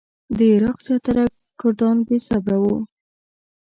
د عراق زیاتره کردان بې صبره وو.